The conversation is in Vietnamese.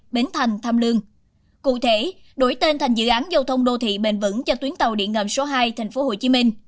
bến thành tham lương cụ thể đổi tên thành dự án giao thông đô thị bền vững cho tuyến tàu điện ngầm số hai tp hcm